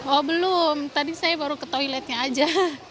oh belum tadi saya baru ke toiletnya aja